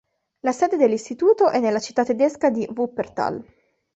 La sede dell'Istituto è nella città tedesca di Wuppertal.